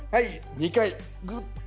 ２回、ぐっ。